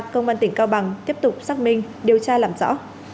công an tỉnh cao bằng tiếp tục xác minh điều tra làm rõ